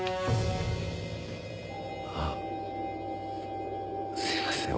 あすいません。